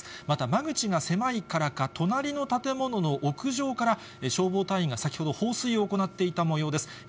また間口が狭いからか、隣の建物の屋上から、消防隊員が先ほど放水を行っていたもようです。